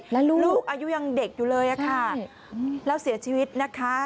แล้วลูกลูกอยู่เด็กอยู่เลยค่ะเราเสียชีวิตนะคะ